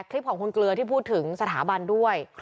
คลิปของคุณเกลือที่พูดถึงสถาบันด้วย